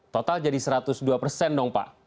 total jadi satu ratus dua persen dong pak